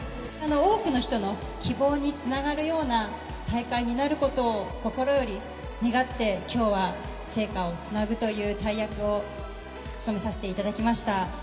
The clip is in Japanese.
多くの人の希望につながるような大会になることを心より願って、きょうは聖火をつなぐという大役を務めさせていただきました。